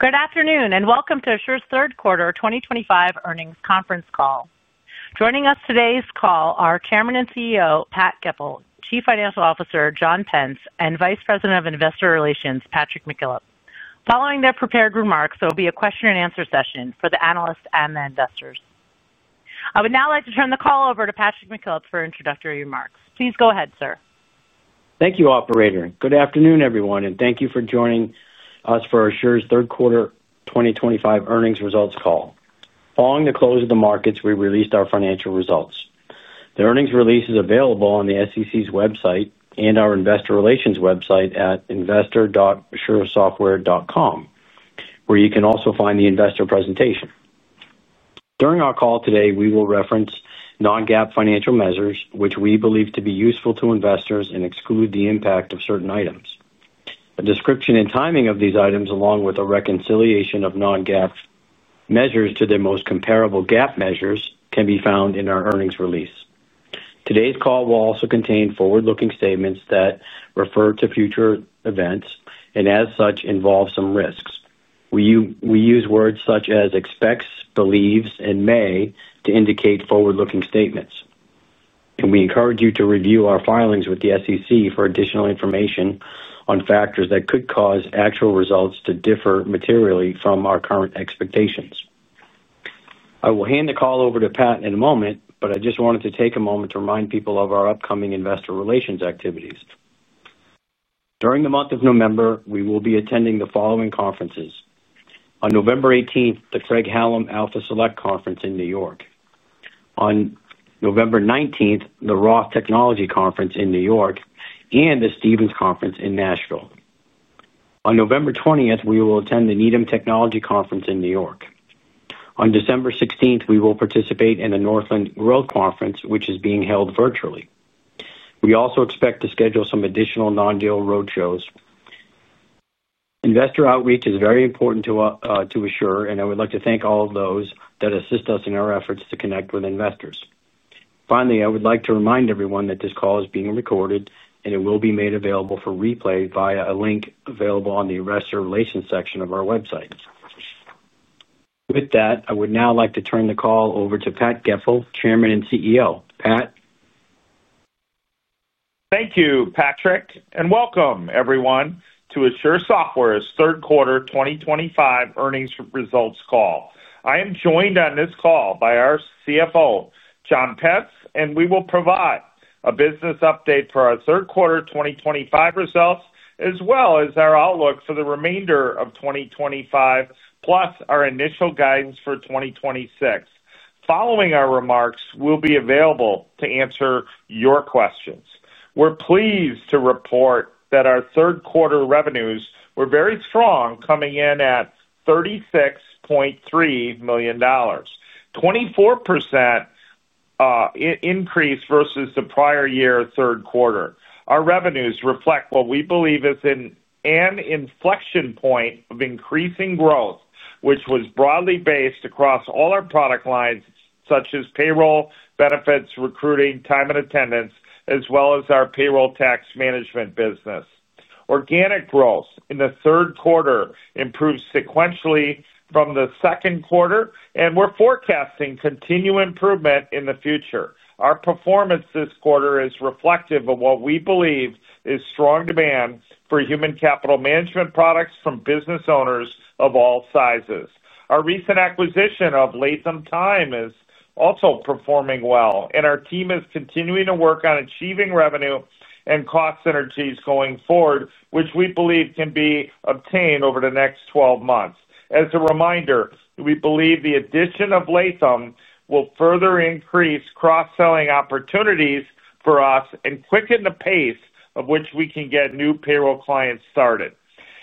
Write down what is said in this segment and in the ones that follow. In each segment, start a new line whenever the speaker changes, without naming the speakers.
Good afternoon and welcome to Asure's Third Quarter 2025 earnings conference call. Joining us on today's call are Chairman and CEO, Pat Goepel, Chief Financial Officer, John Pence, and Vice President of Investor Relations, Patrick McKillop. Following their prepared remarks, there will be a question-and-answer session for the analysts and the investors. I would now like to turn the call over to Patrick McKillop for introductory remarks. Please go ahead, sir.
Thank you, operator. Good afternoon, everyone, and thank you for joining us for Asure's Third Quarter 2025 earnings results call. Following the close of the markets, we released our financial results. The earnings release is available on the SEC's website and our investor relations website at investor.asuresoftware.com, where you can also find the investor presentation. During our call today, we will reference non-GAAP financial measures, which we believe to be useful to investors and exclude the impact of certain items. A description and timing of these items, along with a reconciliation of non-GAAP measures to their most comparable GAAP measures, can be found in our earnings release. Today's call will also contain forward-looking statements that refer to future events and, as such, involve some risks. We use words such as expects, believes, and may to indicate forward-looking statements. We encourage you to review our filings with the SEC for additional information on factors that could cause actual results to differ materially from our current expectations. I will hand the call over to Pat in a moment, but I just wanted to take a moment to remind people of our upcoming investor relations activities. During the month of November, we will be attending the following conferences: on November 18th, the Craig Hallum Alpha Select Conference in New York, on November 19th, the ROTH Technology Conference in New York, and the Stephens Conference in Nashville. On November 20th, we will attend the Needham Technology Conference in New York. On December 16th, we will participate in the Northland Growth Conference, which is being held virtually. We also expect to schedule some additional non-deal road shows. Investor outreach is very important to Asure, and I would like to thank all of those that assist us in our efforts to connect with investors. Finally, I would like to remind everyone that this call is being recorded and it will be made available for replay via a link available on the investor relations section of our website. With that, I would now like to turn the call over to Pat Goepel, Chairman and CEO. Pat.
Thank you, Patrick, and welcome, everyone, to Asure Software's Third Quarter 2025 earnings results call. I am joined on this call by our CFO, John Pence, and we will provide a business update for our third quarter 2025 results, as well as our outlook for the remainder of 2025, plus our initial guidance for 2026. Following our remarks, we'll be available to answer your questions. We're pleased to report that our third quarter revenues were very strong, coming in at $36.3 million, 24% increase versus the prior year third quarter. Our revenues reflect what we believe is an inflection point of increasing growth, which was broadly based across all our product lines, such as payroll, benefits, recruiting, time and attendance, as well as our payroll tax management business. Organic growth in the third quarter improved sequentially from the second quarter, and we're forecasting continued improvement in the future. Our performance this quarter is reflective of what we believe is strong demand for human capital management products from business owners of all sizes. Our recent acquisition of Lathem Time is also performing well, and our team is continuing to work on achieving revenue and cost synergies going forward, which we believe can be obtained over the next 12 months. As a reminder, we believe the addition of Lathem will further increase cross-selling opportunities for us and quicken the pace of which we can get new payroll clients started.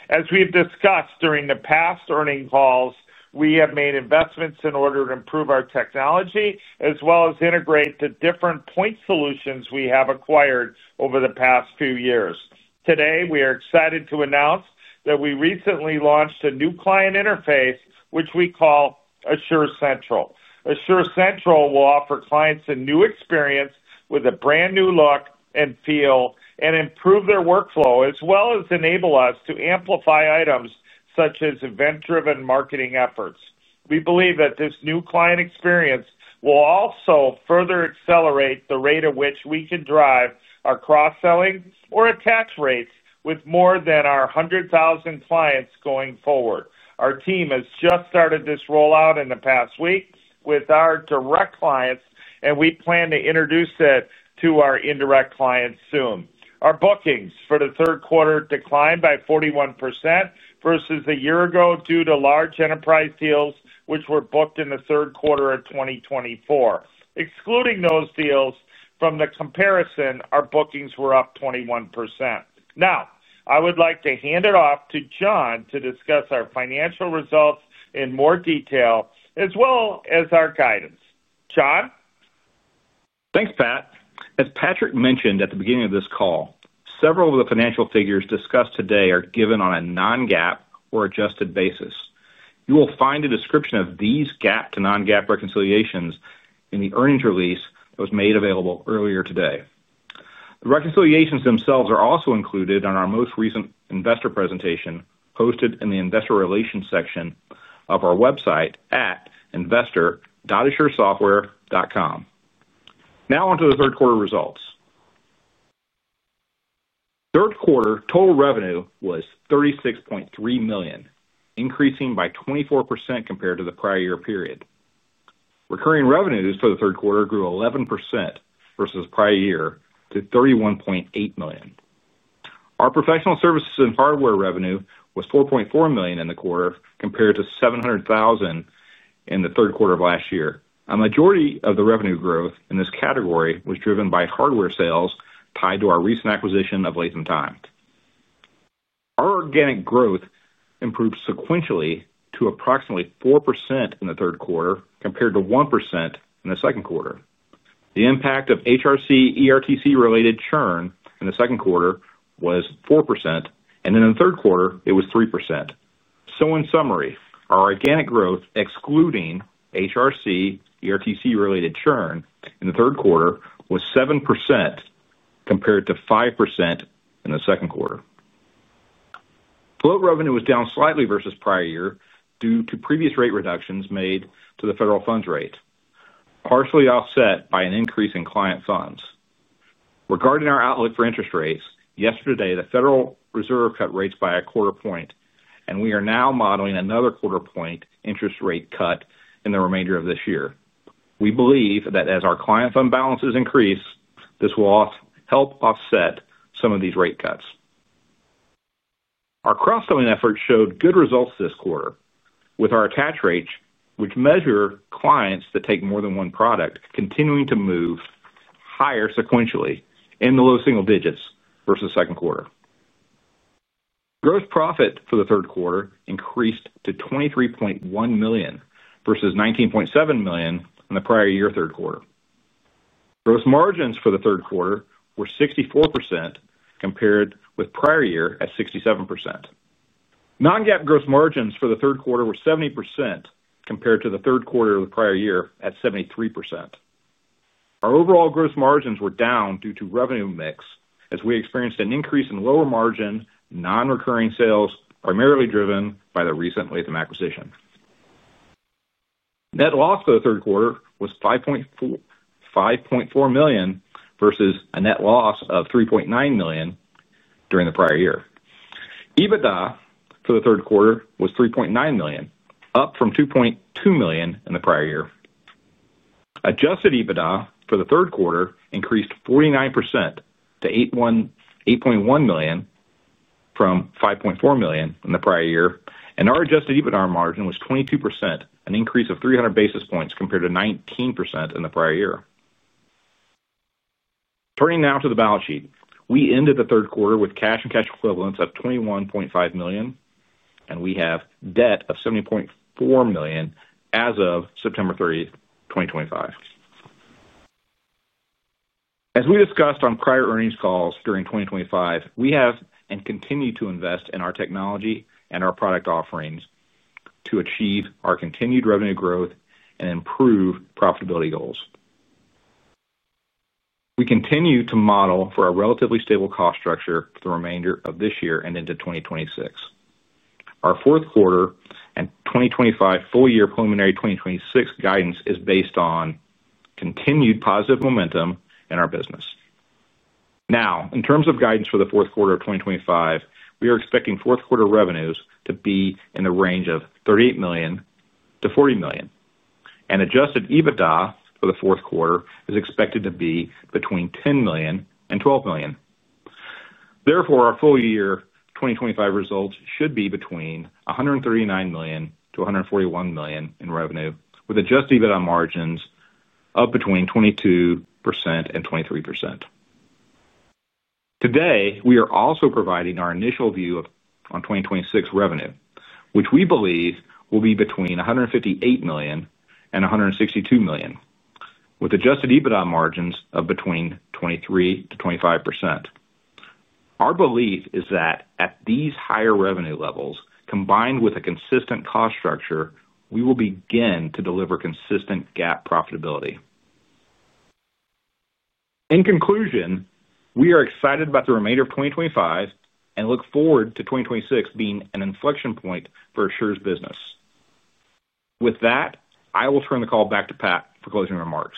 As we've discussed during the past earning calls, we have made investments in order to improve our technology, as well as integrate the different point solutions we have acquired over the past few years. Today, we are excited to announce that we recently launched a new client interface, which we call Asure Central. Asure Central will offer clients a new experience with a brand new look and feel and improve their workflow, as well as enable us to amplify items such as event-driven marketing efforts. We believe that this new client experience will also further accelerate the rate at which we can drive our cross-selling or attach rates with more than our 100,000 clients going forward. Our team has just started this rollout in the past week with our direct clients, and we plan to introduce it to our indirect clients soon. Our bookings for the third quarter declined by 41% versus a year ago due to large enterprise deals, which were booked in the third quarter of 2024. Excluding those deals from the comparison, our bookings were up 21%. Now, I would like to hand it off to John to discuss our financial results in more detail, as well as our guidance. John?
Thanks, Pat. As Patrick mentioned at the beginning of this call, several of the financial figures discussed today are given on a non-GAAP or adjusted basis. You will find a description of these GAAP to non-GAAP reconciliations in the earnings release that was made available earlier today. The reconciliations themselves are also included on our most recent investor presentation posted in the investor relations section of our website at investor.asuresoftware.com. Now onto the third quarter results. third quarter total revenue was $36.3 million, increasing by 24% compared to the prior year period. Recurring revenues for the third quarter grew 11% versus the prior year to $31.8 million. Our professional services and hardware revenue was $4.4 million in the quarter compared to $700,000 in the third quarter of last year. A majority of the revenue growth in this category was driven by hardware sales tied to our recent acquisition of Lathem Time. Our organic growth improved sequentially to approximately 4% in the third quarter compared to 1% in the second quarter. The impact of HRC/ERTC-related churn in the second quarter was 4%, and in the third quarter, it was 3%. In summary, our organic growth, excluding HRC/ERTC-related churn in the third quarter, was 7% compared to 5% in the second quarter. Float revenue was down slightly versus the prior year due to previous rate reductions made to the federal funds rate, partially offset by an increase in client funds. Regarding our outlook for interest rates, yesterday, the Federal Reserve cut rates by a quarter point, and we are now modeling another quarter point interest rate cut in the remainder of this year. We believe that as our client fund balances increase, this will help offset some of these rate cuts. Our cross-selling efforts showed good results this quarter, with our attach rates, which measure clients that take more than one product, continuing to move higher sequentially in the low single digits versus the second quarter. Gross profit for the third quarter increased to $23.1 million versus $19.7 million in the prior year third quarter. Gross margins for the third quarter were 64% compared with the prior year at 67%. Non-GAAP gross margins for the third quarter were 70% compared to the third quarter of the prior year at 73%. Our overall gross margins were down due to revenue mix as we experienced an increase in lower margin non-recurring sales, primarily driven by the recent Lathem acquisition. Net loss for the third quarter was $5.4 million versus a net loss of $3.9 million during the prior year. EBITDA for the third quarter was $3.9 million, up from $2.2 million in the prior year. Adjusted EBITDA for the third quarter increased 49% to $8.1 million from $5.4 million in the prior year, and our adjusted EBITDA margin was 22%, an increase of 300 basis points compared to 19% in the prior year. Turning now to the balance sheet, we ended the third quarter with cash and cash equivalents of $21.5 million, and we have debt of $70.4 million as of September 30th 2025. As we discussed on prior earnings calls during 2025, we have and continue to invest in our technology and our product offerings to achieve our continued revenue growth and improve profitability goals. We continue to model for a relatively stable cost structure for the remainder of this year and into 2026. Our fourth quarter and 2025 full year preliminary 2026 guidance is based on continued positive momentum in our business. Now, in terms of guidance for the fourth quarter of 2025, we are expecting fourth quarter revenues to be in the range of $38 million-$40 million, and adjusted EBITDA for the fourth quarter is expected to be between $10 million and $12 million. Therefore, our full year 2025 results should be between $139 million-$141 million in revenue, with adjusted EBITDA margins up between 22% and 23%. Today, we are also providing our initial view on 2026 revenue, which we believe will be between $158 million and $162 million, with adjusted EBITDA margins of between 23%-25%. Our belief is that at these higher revenue levels, combined with a consistent cost structure, we will begin to deliver consistent GAAP profitability. In conclusion, we are excited about the remainder of 2025 and look forward to 2026 being an inflection point for Asure's business. With that, I will turn the call back to Pat for closing remarks.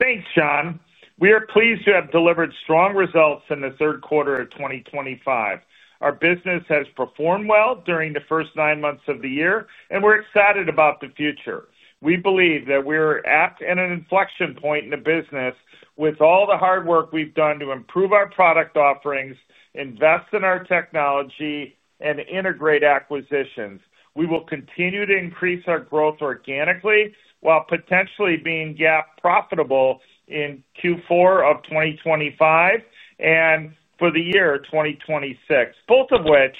Thanks, John. We are pleased to have delivered strong results in the third quarter of 2025. Our business has performed well during the first nine months of the year, and we're excited about the future. We believe that we're at an inflection point in the business with all the hard work we've done to improve our product offerings, invest in our technology, and integrate acquisitions. We will continue to increase our growth organically while potentially being GAAP profitable in Q4 of 2025 and for the year 2026, both of which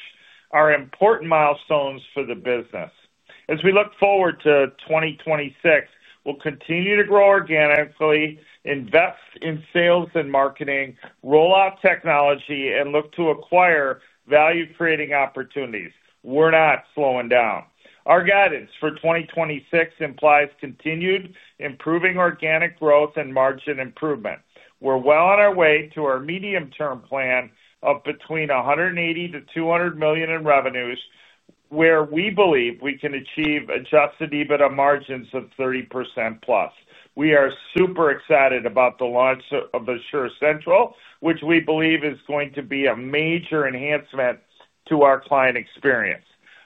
are important milestones for the business. As we look forward to 2026, we'll continue to grow organically, invest in sales and marketing, roll out technology, and look to acquire value-creating opportunities. We're not slowing down. Our guidance for 2026 implies continued improving organic growth and margin improvement. We're well on our way to our medium-term plan of between $180 million-$200 million in revenues, where we believe we can achieve adjusted EBITDA margins of 30%+. We are super excited about the launch of Asure Central, which we believe is going to be a major enhancement to our client experience.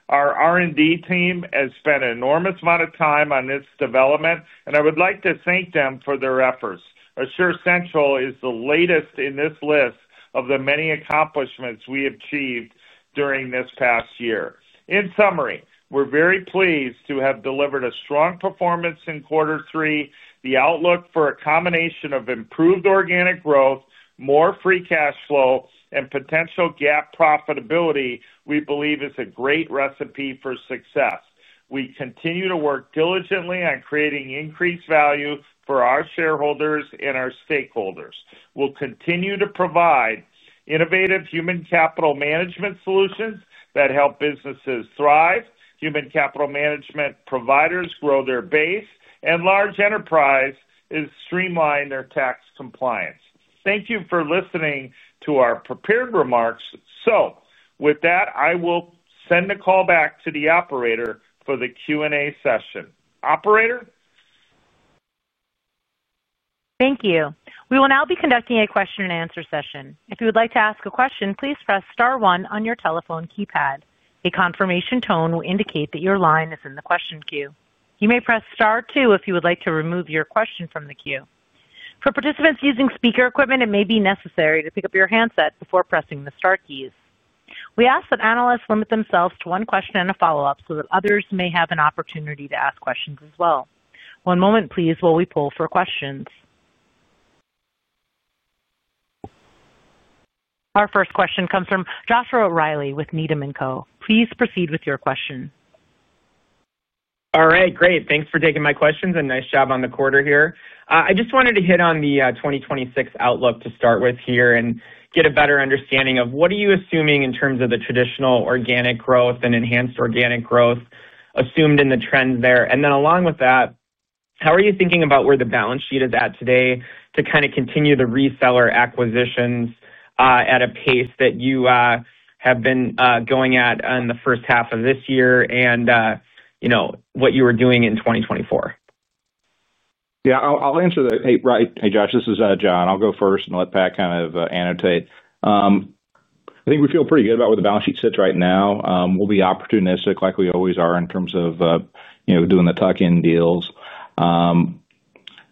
Our R&D team has spent an enormous amount of time on this development, and I would like to thank them for their efforts. Asure Central is the latest in this list of the many accomplishments we achieved during this past year. In summary, we're very pleased to have delivered a strong performance in quarter three. The outlook for a combination of improved organic growth, more free cash flow, and potential GAAP profitability we believe is a great recipe for success. We continue to work diligently on creating increased value for our shareholders and our stakeholders. We'll continue to provide innovative human capital management solutions that help businesses thrive, human capital management providers grow their base, and large enterprises streamline their tax compliance. Thank you for listening to our prepared remarks. With that, I will send a call back to the operator for the Q&A session. Operator?
Thank you. We will now be conducting a question-and-answer session. If you would like to ask a question, please press star one on your telephone keypad. A confirmation tone will indicate that your line is in the question queue. You may press star two if you would like to remove your question from the queue. For participants using speaker equipment, it may be necessary to pick up your handset before pressing the star keys. We ask that analysts limit themselves to one question and a follow-up so that others may have an opportunity to ask questions as well. One moment, please, while we pull for questions. Our first question comes from Joshua Reilly with Needham & Co. Please proceed with your question.
All right. Great. Thanks for taking my questions. Nice job on the quarter here. I just wanted to hit on the 2026 outlook to start with here and get a better understanding of what are you assuming in terms of the traditional organic growth and enhanced organic growth assumed in the trends there. Along with that, how are you thinking about where the balance sheet is at today to kind of continue the reseller acquisitions at a pace that you have been going at in the first half of this year and what you were doing in 2024?
Yeah. I'll answer that. Hey, Josh, this is John. I'll go first and let Pat kind of annotate. I think we feel pretty good about where the balance sheet sits right now. We'll be opportunistic, like we always are, in terms of doing the tuck-in deals.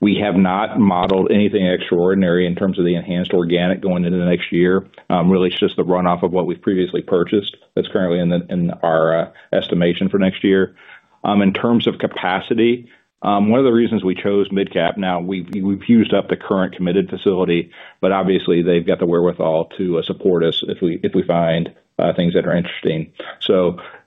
We have not modeled anything extraordinary in terms of the enhanced organic going into next year. Really, it's just the runoff of what we've previously purchased that's currently in our estimation for next year. In terms of capacity, one of the reasons we chose mid-cap, now we've used up the current committed facility, but obviously, they've got the wherewithal to support us if we find things that are interesting.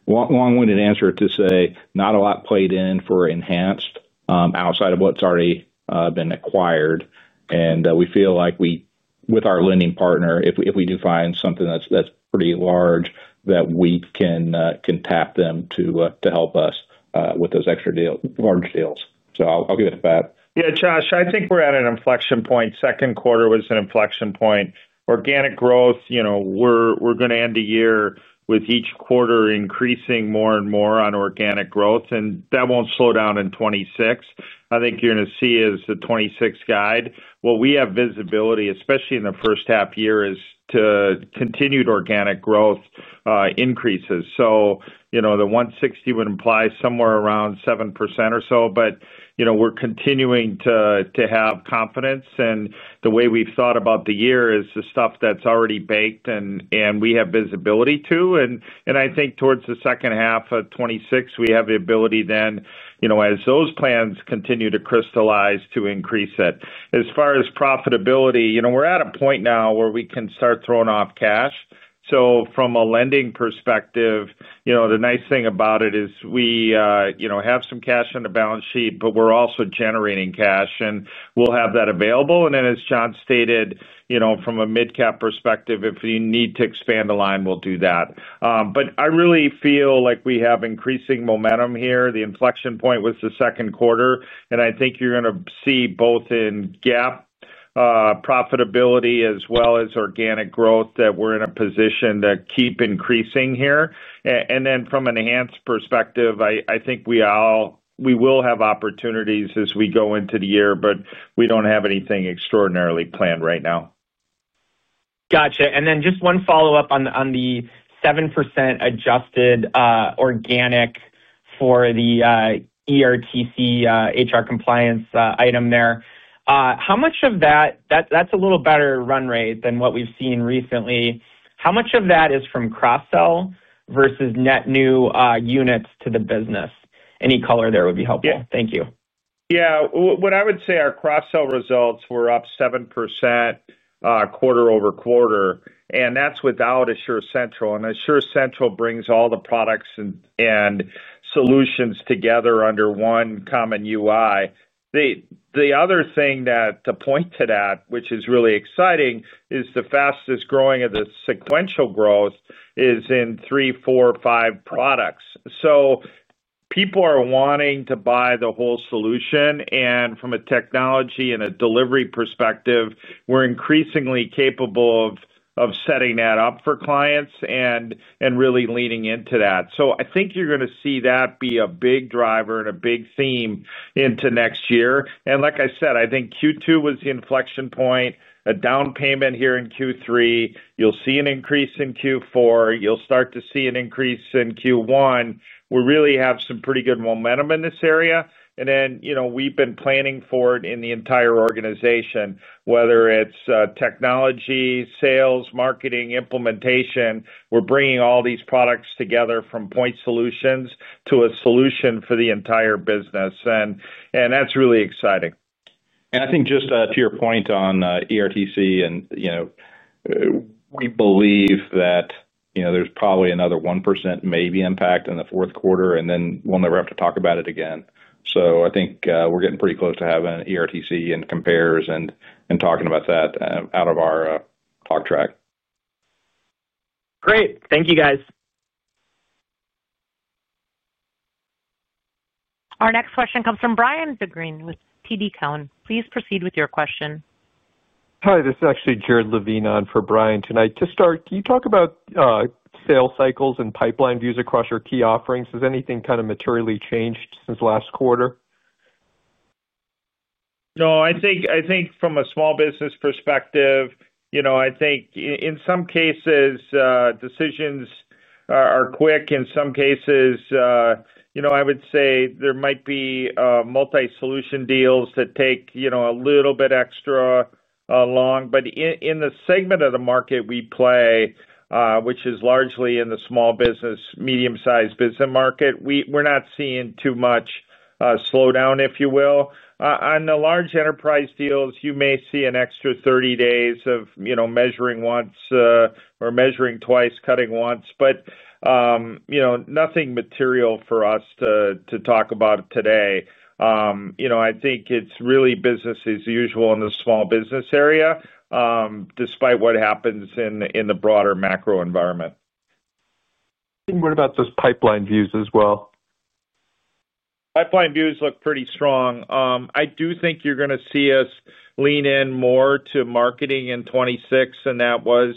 Long-winded answer to say, not a lot played in for enhanced outside of what's already been acquired. We feel like with our lending partner, if we do find something that's pretty large, that we can tap them to help us with those extra large deals. I'll give it to Pat.
Yeah, Josh, I think we're at an inflection point. Second quarter was an inflection point. Organic growth. We're going to end the year with each quarter increasing more and more on organic growth, and that won't slow down in 2026. I think what you're going to see is the 2026 guide. What we have visibility, especially in the first half year, is to continued organic growth increases. The $160 million would imply somewhere around 7% or so, but we're continuing to have confidence. The way we've thought about the year is the stuff that's already baked and we have visibility to. I think towards the second half of 2026, we have the ability then, as those plans continue to crystallize, to increase it. As far as profitability, we're at a point now where we can start throwing off cash. From a lending perspective, the nice thing about it is we have some cash on the balance sheet, but we're also generating cash, and we'll have that available. As John stated, from a mid-cap perspective, if you need to expand the line, we'll do that. I really feel like we have increasing momentum here. The inflection point was the second quarter, and I think you're going to see both in GAAP profitability, as well as organic growth, that we're in a position to keep increasing here. From an enhanced perspective, I think we will have opportunities as we go into the year, but we don't have anything extraordinarily planned right now.
Gotcha. Just one follow-up on the 7% adjusted organic for the ERTC-HR compliance item there. How much of that—that's a little better run rate than what we've seen recently—how much of that is from cross-sell versus net new units to the business? Any color there would be helpful. Thank you.
Yeah. What I would say, our cross-sell results were up 7% quarter-over-quarter, and that's without Asure Central. Asure Central brings all the products and solutions together under one common UI. The other thing to point to that, which is really exciting, is the fastest growing of the sequential growth is in three, four, five products. People are wanting to buy the whole solution. From a technology and a delivery perspective, we're increasingly capable of setting that up for clients and really leaning into that. I think you're going to see that be a big driver and a big theme into next year. Like I said, I think Q2 was the inflection point, a down payment here in Q3. You'll see an increase in Q4. You'll start to see an increase in Q1. We really have some pretty good momentum in this area. We've been planning for it in the entire organization, whether it's technology, sales, marketing, implementation. We're bringing all these products together from point solutions to a solution for the entire business, and that's really exciting.
I think just to your point on ERTC, we believe that there's probably another 1% maybe impact in the fourth quarter, and then we'll never have to talk about it again. I think we're getting pretty close to having an ERTC and compares and talking about that out of our talk track.
Great. Thank you, guys.
Our next question comes from Bryan Bergin with TD Cowen. Please proceed with your question.
Hi, this is actually Jared Levine on for Bryan tonight. To start, can you talk about sales cycles and pipeline views across your key offerings? Has anything kind of materially changed since last quarter?
No, I think from a small business perspective, I think in some cases, decisions are quick. In some cases, I would say there might be multi-solution deals that take a little bit extra long. In the segment of the market we play, which is largely in the small business, medium-sized business market, we're not seeing too much slowdown, if you will. On the large enterprise deals, you may see an extra 30 days of measuring once or measuring twice, cutting once. Nothing material for us to talk about today. I think it's really business as usual in the small business area, despite what happens in the broader macro environment.
What about those pipeline views as well?
Pipeline views look pretty strong. I do think you're going to see us lean in more to marketing in 2026, and that was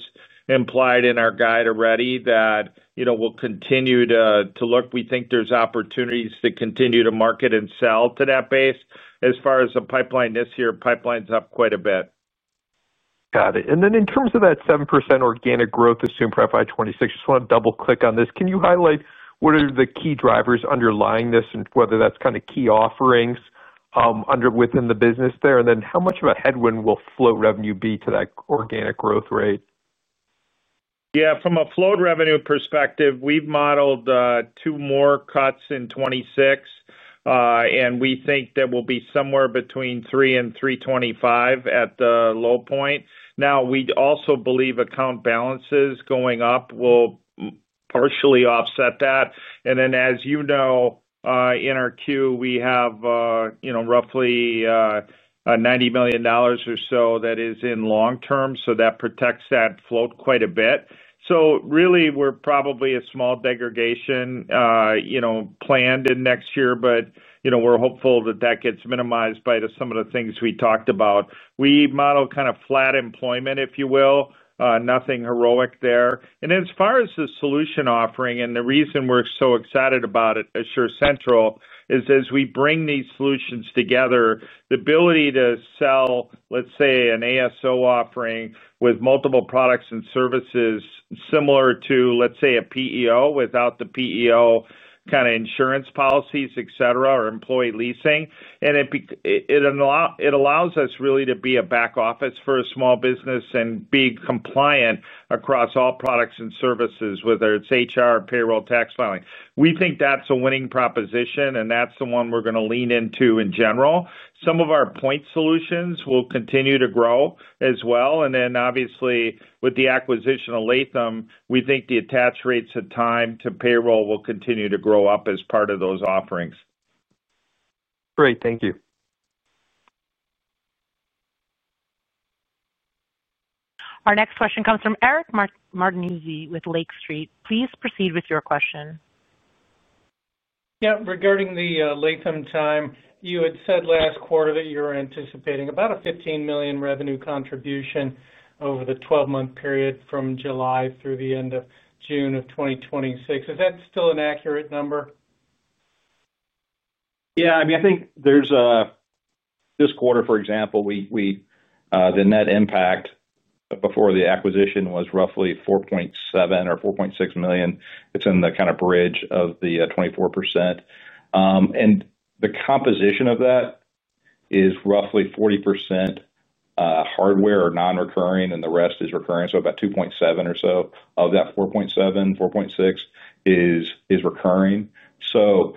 implied in our guide already that we'll continue to look. We think there's opportunities to continue to market and sell to that base. As far as a pipeline this year, pipeline's up quite a bit.
Got it. In terms of that 7% organic growth assumed for FY 2026, I just want to double-click on this. Can you highlight what are the key drivers underlying this and whether that's kind of key offerings within the business there? How much of a headwind will float revenue be to that organic growth rate?
Yeah. From a float revenue perspective, we've modeled two more cuts in 2026, and we think that we'll be somewhere between [3% and 3.25%] at the low point. We also believe account balances going up will partially offset that. In our queue, we have roughly $90 million or so that is in long-term, so that protects that float quite a bit. We're probably a small degradation planned in next year, but we're hopeful that that gets minimized by some of the things we talked about. We model kind of flat employment, if you will. Nothing heroic there. As far as the solution offering, and the reason we're so excited about it, Asure Central, is as we bring these solutions together, the ability to sell, let's say, an ASO offering with multiple products and services similar to, let's say, a PEO without the PEO kind of insurance policies, etc., or employee leasing. It allows us really to be a back office for a small business and be compliant across all products and services, whether it's HR, payroll, tax filing. We think that's a winning proposition, and that's the one we're going to lean into in general. Some of our point solutions will continue to grow as well. Obviously, with the acquisition of Lathem, we think the attach rates of time to payroll will continue to grow up as part of those offerings.
Great. Thank you.
Our next question comes from Eric Martinuzzi with Lake Street. Please proceed with your question.
Yeah. Regarding the Lathem Time, you had said last quarter that you were anticipating about a $15 million revenue contribution over the 12-month period from July through the end of June 2026. Is that still an accurate number?
Yeah. I mean, I think there's this quarter, for example, the net impact before the acquisition was roughly $4.7 million or $4.6 million. It's in the kind of bridge of the 24%. The composition of that is roughly 40% hardware or non-recurring, and the rest is recurring. About $2.7 million or so of that $4.7 million, $4.6 million is recurring. The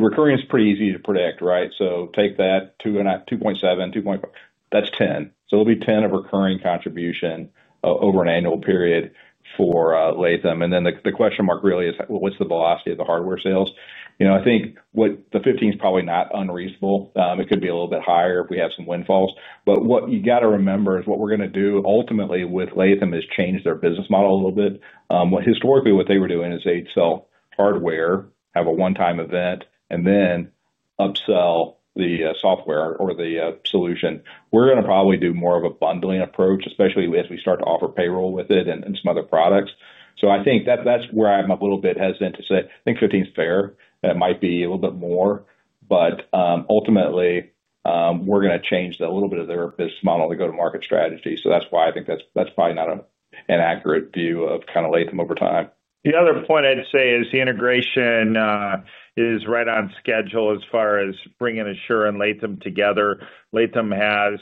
recurring is pretty easy to predict, right? Take that $2.5 million, $2.7 million, that's $10 million. It'll be $10 million of recurring contribution over an annual period for Lathem. The question mark really is, what's the velocity of the hardware sales? I think the $15 million is probably not unreasonable. It could be a little bit higher if we have some windfalls. What you have to remember is what we're going to do ultimately with Lathem is change their business model a little bit. Historically, what they were doing is they'd sell hardware, have a one-time event, and then upsell the software or the solution. We're going to probably do more of a bundling approach, especially as we start to offer payroll with it and some other products. I think that's where I'm a little bit hesitant to say. I think $15 million is fair. It might be a little bit more. Ultimately, we're going to change a little bit of their business model to go to market strategy. That's why I think that's probably not an accurate view of kind of Lathem over time.
The other point I'd say is the integration is right on schedule as far as bringing Asure and Lathem together has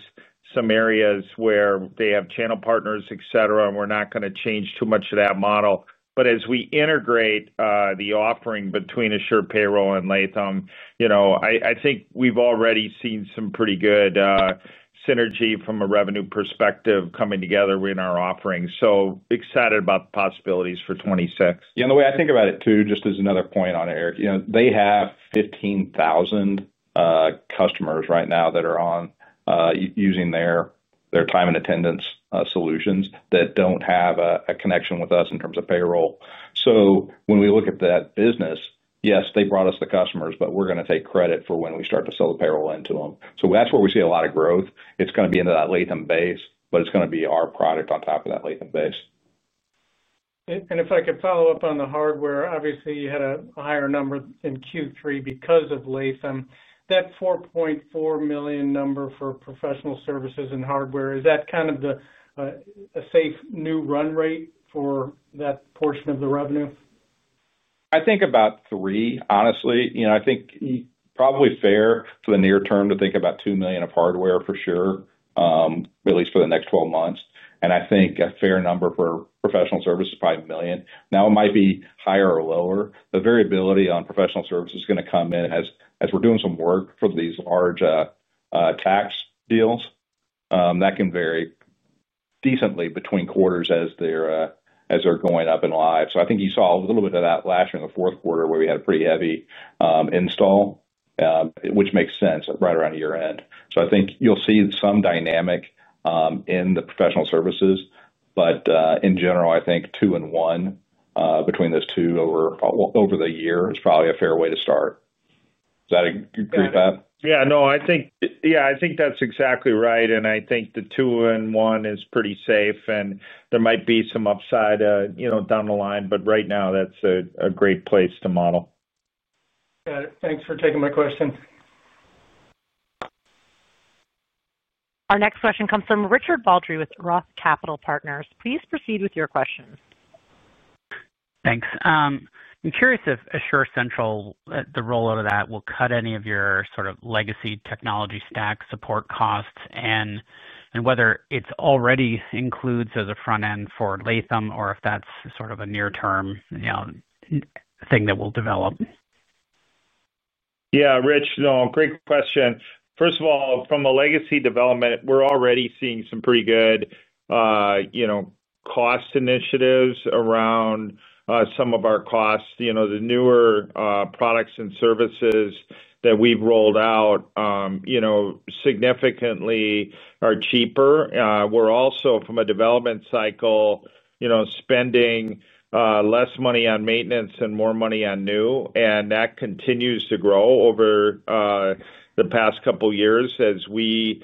some areas where they have channel partners, etc., and we're not going to change too much of that model. As we integrate the offering between Asure Payroll and Lathem, I think we've already seen some pretty good synergy from a revenue perspective coming together in our offering. I'm excited about the possibilities for 2026.
Yeah. The way I think about it too, just as another point on it, Eric, they have 15,000 customers right now that are using their time and attendance solutions that don't have a connection with us in terms of payroll. When we look at that business, yes, they brought us the customers, but we're going to take credit for when we start to sell the payroll into them. That's where we see a lot of growth. It's going to be into that Lathem base, but it's going to be our product on top of that Lathem base.
If I could follow up on the hardware, obviously, you had a higher number in Q3 because of Lathem. That $4.4 million number for professional services and hardware, is that kind of a safe new run rate for that portion of the revenue?
I think about three, honestly. I think probably fair for the near term to think about $2 million of hardware for sure, at least for the next 12 months. I think a fair number for professional services, probably $1 million. Now, it might be higher or lower. The variability on professional services is going to come in as we're doing some work for these large tax deals. That can vary decently between quarters as they're going up in live. I think you saw a little bit of that last year in the fourth quarter where we had a pretty heavy install, which makes sense right around year end. I think you'll see some dynamic in the professional services, but in general, I think two and one between those two over the year is probably a fair way to start. Does that agree with that?
I think that's exactly right. I think the $2 million and $1 million is pretty safe. There might be some upside down the line, but right now, that's a great place to model.
Got it. Thanks for taking my question.
Our next question comes from Richard Baldry with Roth Capital Partners. Please proceed with your question.
Thanks. I'm curious if Asure Central, the rollout of that, will cut any of your sort of legacy technology stack support costs and whether it already includes as a front end for Lathem or if that's sort of a near-term thing that will develop.
Yeah, Rich, great question. First of all, from a legacy development, we're already seeing some pretty good cost initiatives around some of our costs. The newer products and services that we've rolled out significantly are cheaper. We're also, from a development cycle, spending less money on maintenance and more money on new, and that continues to grow over the past couple of years as we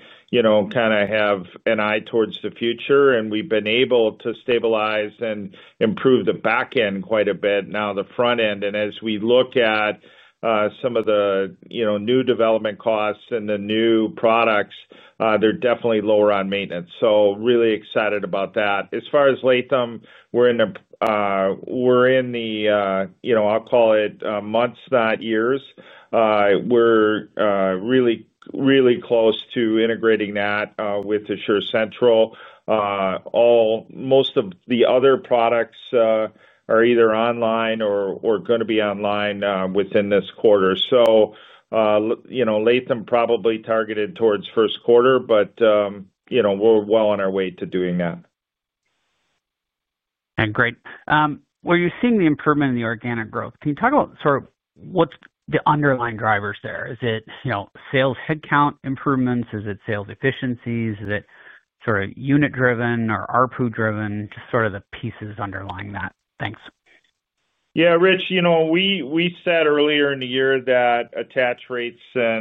kind of have an eye towards the future. We've been able to stabilize and improve the back end quite a bit now, the front end. As we look at some of the new development costs and the new products, they're definitely lower on maintenance, so really excited about that. As far as Lathem, we're in the, I'll call it months, not years. We're really, really close to integrating that with Asure Central. Most of the other products are either online or going to be online within this quarter. Lathem probably targeted towards first quarter, but we're well on our way to doing that.
Were you seeing the improvement in the organic growth? Can you talk about sort of what's the underlying drivers there? Is it sales headcount improvements? Is it sales efficiencies? Is it sort of unit-driven or ARPU-driven? Just sort of the pieces underlying that. Thanks.
Yeah, Rich, we said earlier in the year that attach rates are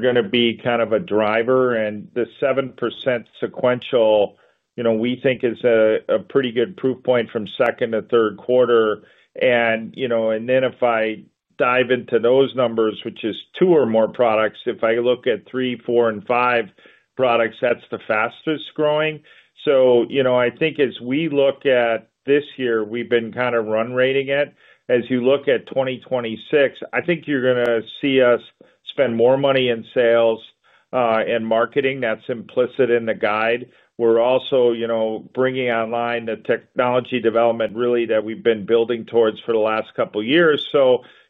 going to be kind of a driver. The 7% sequential, we think, is a pretty good proof point from second to third quarter. If I dive into those numbers, which is two or more products, if I look at three, four, and five products, that's the fastest growing. I think as we look at this year, we've been kind of run rating it. As you look at 2026, I think you're going to see us spend more money in sales and marketing. That's implicit in the guide. We're also bringing online the technology development really that we've been building towards for the last couple of years.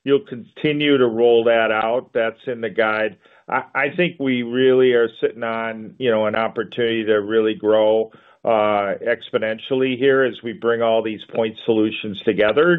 You'll continue to roll that out. That's in the guide. I think we really are sitting on an opportunity to really grow exponentially here as we bring all these point solutions together.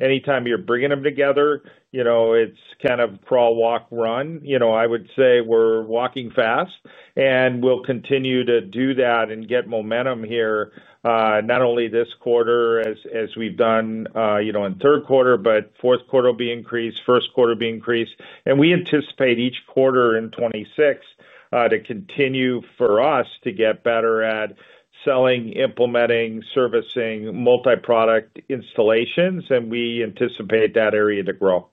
Anytime you're bringing them together, it's kind of crawl, walk, run. I would say we're walking fast. We'll continue to do that and get momentum here, not only this quarter as we've done in third quarter, but fourth quarter will be increased, first quarter will be increased. We anticipate each quarter in 2026 to continue for us to get better at selling, implementing, servicing, multi-product installations. We anticipate that area to grow.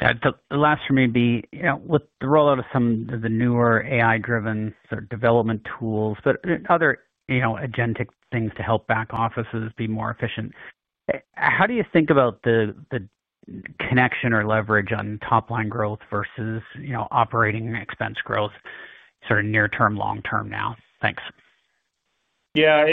Yeah. The last for me would be with the rollout of some of the newer AI-driven development tools, but other agentic things to help back offices be more efficient. How do you think about the connection or leverage on top-line growth versus operating expense growth, sort of near-term, long-term now? Thanks.
Yeah.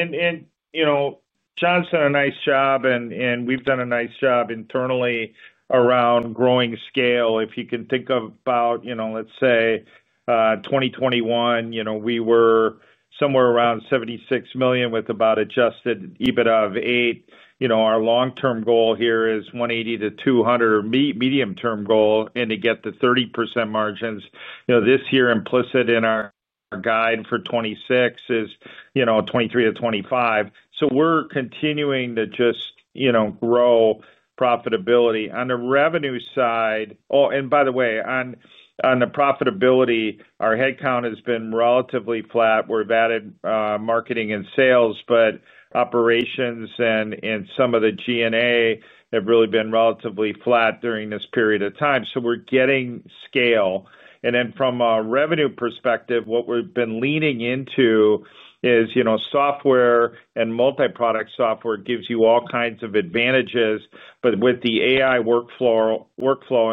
John's done a nice job, and we've done a nice job internally around growing scale. If you can think about, let's say, 2021, we were somewhere around $76 million with about adjusted EBITDA of $8 million. Our long-term goal here is $180 million-$200 million, medium-term goal, and to get the 30% margins. This year, implicit in our guide for 2026 is $23 million-$25 million. We are continuing to just grow profitability. On the revenue side, oh, and by the way, on the profitability, our headcount has been relatively flat. We've added marketing and sales, but operations and some of the G&A have really been relatively flat during this period of time. We are getting scale. From a revenue perspective, what we've been leaning into is software and multi-product. Software gives you all kinds of advantages. With the AI workflow,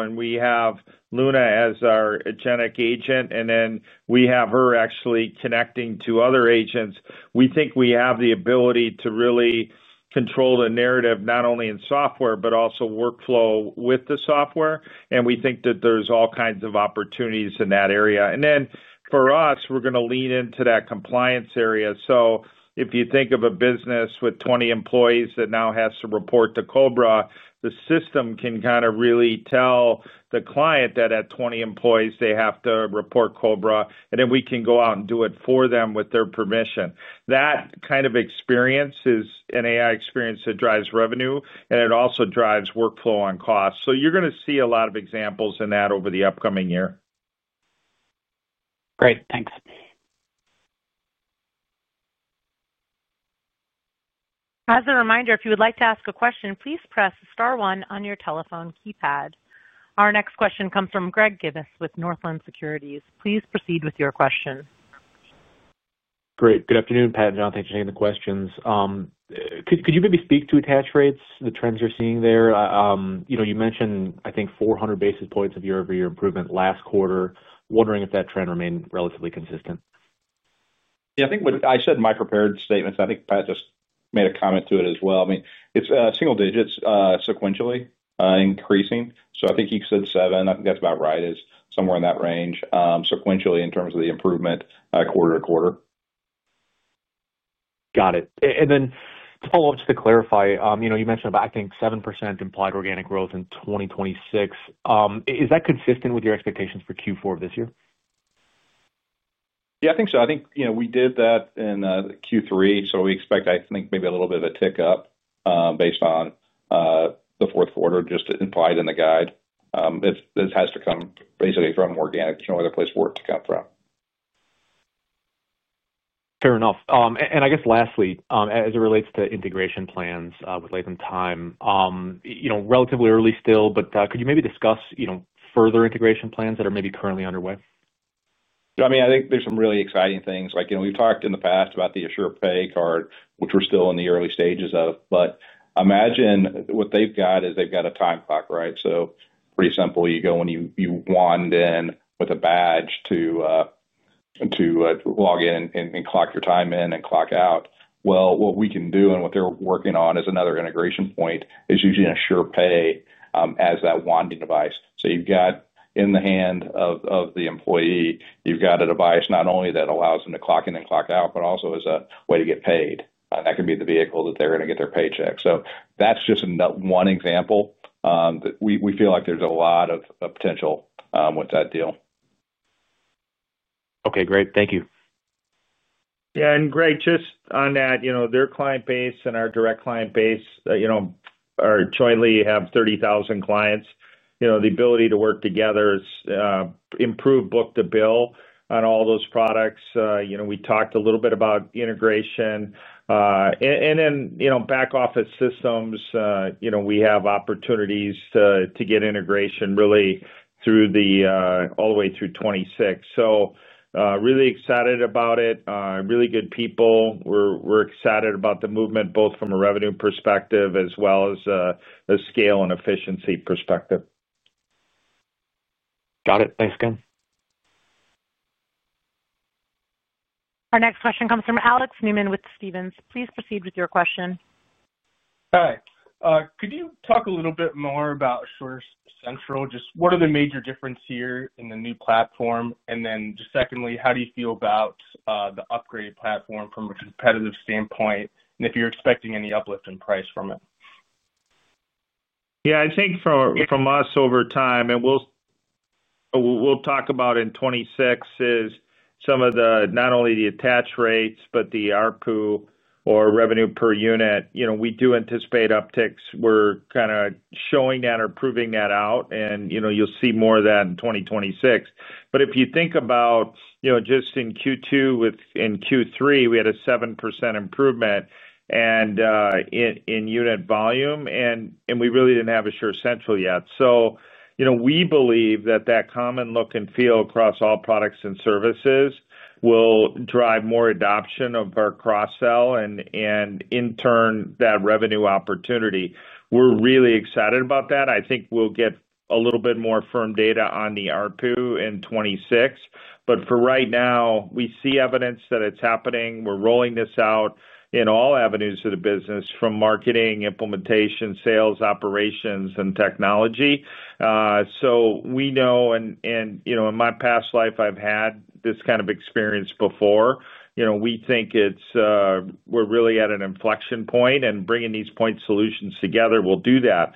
and we have Luna as our agentic agent, and then we have her actually connecting to other agents, we think we have the ability to really control the narrative not only in software, but also workflow with the software. We think that there's all kinds of opportunities in that area. For us, we are going to lean into that compliance area. If you think of a business with 20 employees that now has to report to COBRA, the system can kind of really tell the client that at 20 employees, they have to report COBRA. We can go out and do it for them with their permission. That kind of experience is an AI experience that drives revenue, and it also drives workflow on cost. You are going to see a lot of examples in that over the upcoming year.
Great. Thanks.
As a reminder, if you would like to ask a question, please press star one on your telephone keypad. Our next question comes from Greg Gibas with Northland Securities. Please proceed with your question.
Great. Good afternoon, Pat and John, thanks for taking the questions. Could you maybe speak to attach rates, the trends you're seeing there? You mentioned, I think, 400 basis points of year-over-year improvement last quarter. Wondering if that trend remained relatively consistent.
Yeah, I think I said in my prepared statements, I think Pat just made a comment to it as well. I mean, it's single digits sequentially increasing. I think he said 7%. I think that's about right, is somewhere in that range, sequentially in terms of the improvement quarter to quarter.
Got it. Follow-up, just to clarify, you mentioned about, I think, 7% implied organic growth in 2026. Is that consistent with your expectations for Q4 of this year?
Yeah, I think so. I think we did that in Q3. We expect, I think, maybe a little bit of a tick up based on the fourth quarter, just implied in the guide. This has to come basically from organic. There's no other place for it to come from.
Fair enough. I guess lastly, as it relates to integration plans with Lathem Time, it is relatively early still, but could you maybe discuss further integration plans that are maybe currently underway?
I mean, I think there's some really exciting things. We've talked in the past about the AsurePay card, which we're still in the early stages of. Imagine what they've got is they've got a time clock, right? Pretty simple. You go in, you wand in with a badge to log in and clock your time in and clock out. What we can do and what they're working on as another integration point is using AsurePay as that wanding device. You've got in the hand of the employee, you've got a device not only that allows them to clock in and clock out, but also as a way to get paid. That can be the vehicle that they're going to get their paycheck. That's just one example. We feel like there's a lot of potential with that deal.
Okay, great. Thank you.
Greg, just on that, their client base and our direct client base jointly have 30,000 clients. The ability to work together has improved book to bill on all those products. We talked a little bit about integration, and then back office systems. We have opportunities to get integration really all the way through 2026. Really excited about it. Really good people. We're excited about the movement, both from a revenue perspective as well as a scale and efficiency perspective.
Got it. Thanks again.
Our next question comes from Alex Newman with Stephens. Please proceed with your question.
Hi. Could you talk a little bit more about Asure Central? Just what are the major differences here in the new platform? Secondly, how do you feel about the upgraded platform from a competitive standpoint? Are you expecting any uplift in price from it?
Yeah. I think from us over time, and we'll talk about in 2026, is some of the not only the attach rates, but the ARPU or revenue per unit. We do anticipate upticks. We're kind of showing that or proving that out. You'll see more of that in 2026. If you think about just in Q2 and Q3, we had a 7% improvement in unit volume, and we really didn't have Asure Central yet. We believe that that common look and feel across all products and services will drive more adoption of our cross-sell and, in turn, that revenue opportunity. We're really excited about that. I think we'll get a little bit more firm data on the ARPU in 2026. For right now, we see evidence that it's happening. We're rolling this out in all avenues of the business from marketing, implementation, sales, operations, and technology. We know, and in my past life, I've had this kind of experience before. We think we're really at an inflection point, and bringing these point solutions together will do that.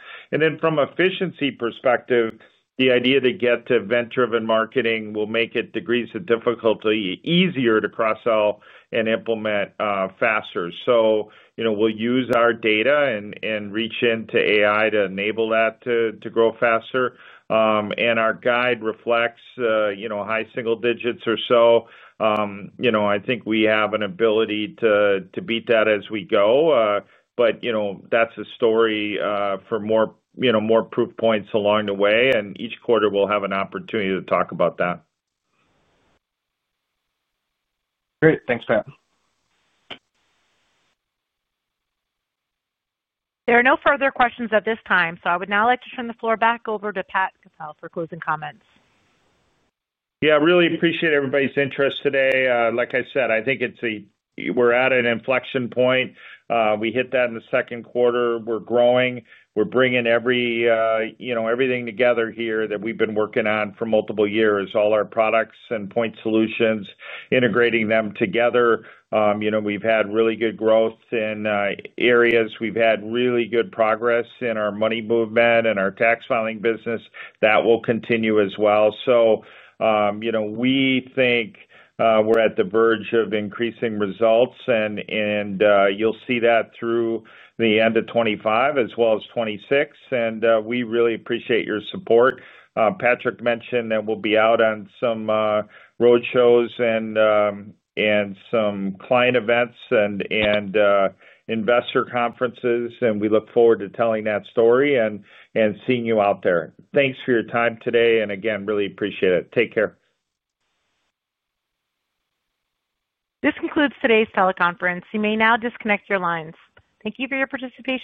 From an efficiency perspective, the idea to get to event-driven marketing will make it degrees of difficulty easier to cross-sell and implement faster. We'll use our data and reach into AI to enable that to grow faster. Our guide reflects high single digits or so. I think we have an ability to beat that as we go. That's a story for more proof points along the way. Each quarter, we'll have an opportunity to talk about that.
Great. Thanks, Pat.
There are no further questions at this time. I would now like to turn the floor back over to Pat for closing comments.
Yeah. Really appreciate everybody's interest today. Like I said, I think we're at an inflection point. We hit that in the second quarter. We're growing. We're bringing everything together here that we've been working on for multiple years, all our products and point solutions, integrating them together. We've had really good growth in areas. We've had really good progress in our money movement and our tax filing business. That will continue as well. We think we're at the verge of increasing results. You'll see that through the end of 2025 as well as 2026. We really appreciate your support. Patrick mentioned that we'll be out on some road shows and some client events and investor conferences. We look forward to telling that story and seeing you out there. Thanks for your time today. Again, really appreciate it. Take care.
This concludes today's teleconference. You may now disconnect your lines. Thank you for your participation.